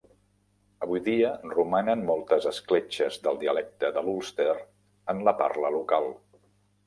Avui dia romanen moltes escletxes del dialecte de l'Ulster en la parla local.